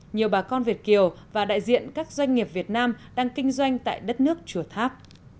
nhiều bà con việt kiều và đại diện các doanh nghiệp việt nam đang kinh doanh tại đất nước chùa tháp